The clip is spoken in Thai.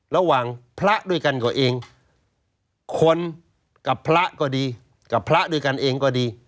ระหว่างพระด้วยกันก็เองคนกับพระก็ดีกับพระด้วยกันเองก็ดี